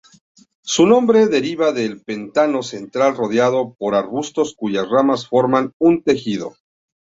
Su nombre deriva del pantano central rodeado por arbustos cuyas ramas forman un tejido.